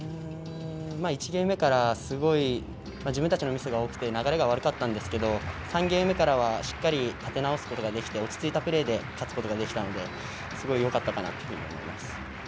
１ゲーム目からすごい自分たちのミスが多くて流れが悪かったんですけど３ゲーム目からは、しっかり立て直すことができて落ち着いたプレーで勝つことができたのですごいよかったかなと思います。